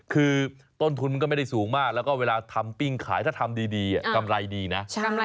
คือต้นทุนมันก็ไม่ได้สูงมากแล้วก็เวลาทำปิ้งขายถ้าทำดีกำไรดีนะ